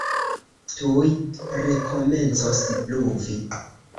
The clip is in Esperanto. Tuj rekomencos pluvi.